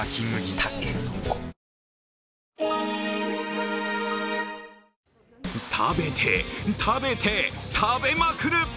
たけのこ食べて、食べて、食べまくる。